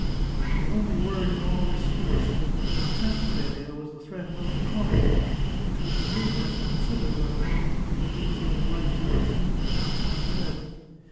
The only word in all this speech that had impressed Clelia was the threat about the convent, which would re move her from the citadel at a moment when Fabrizio's life still seemed to hang upon a thread.